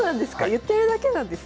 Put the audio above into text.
言ってるだけなんですね。